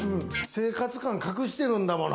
生活感、隠してるんだもの。